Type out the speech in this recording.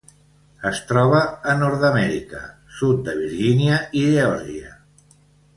Es troba a Nord-amèrica: sud de Virgínia i Geòrgia.